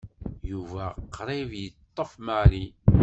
Yuba qrib yeṭṭef Mary.